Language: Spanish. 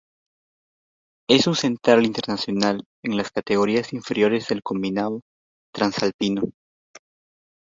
Es un central internacional en las categorías inferiores del combinado transalpino.